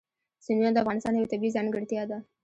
سیندونه د افغانستان یوه طبیعي ځانګړتیا ده.